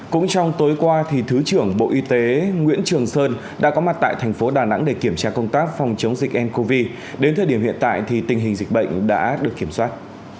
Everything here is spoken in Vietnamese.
cũng trong tối qua thứ trưởng bộ y tế nguyễn trường sơn đã có mặt tại thành phố đà nẵng để kiểm tra công tác phòng chống dịch ncov đến thời điểm hiện tại thì tình hình dịch bệnh đã được kiểm soát